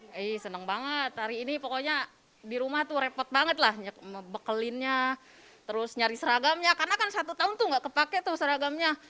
hei senang banget hari ini pokoknya di rumah tuh repot banget lah bekelinnya terus nyari seragamnya karena kan satu tahun tuh gak kepake tuh seragamnya